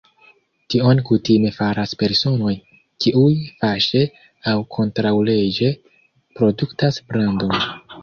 Tion kutime faras personoj, kiuj kaŝe aŭ kontraŭleĝe produktas brandon.